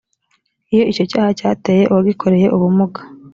iyo icyo cyaha cyateye uwagikorewe ubumuga